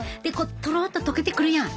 とろっと溶けてくるやん。